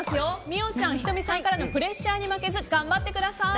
美桜ちゃん、仁美さんからのプレッシャーに負けず頑張ってください。